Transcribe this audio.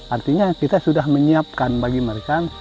artinya kita sudah menyiapkan bagi mereka